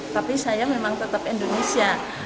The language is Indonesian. tapi saya memang tetap indonesia